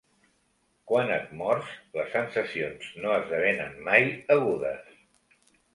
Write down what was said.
Quan et mors, les sensacions no esdevenen mai agudes